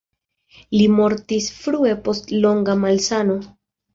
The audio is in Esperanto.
Li mortis frue post longa malsano.